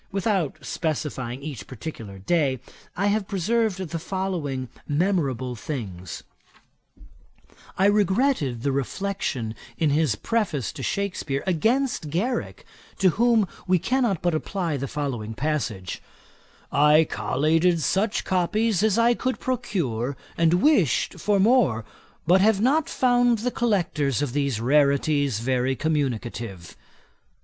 Without specifying each particular day, I have preserved the following memorable things. I regretted the reflection in his Preface to Shakspeare against Garrick, to whom we cannot but apply the following passage: 'I collated such copies as I could procure, and wished for more, but have not found the collectors of these rarities very communicative.'